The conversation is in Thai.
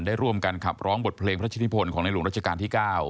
ได้ร่วมกันขับร้องบทเพลงพระชินิพลของในหลวงรัชกาลที่๙